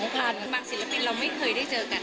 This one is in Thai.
ผ่านบางศิลปินเราไม่เคยได้เจอกัน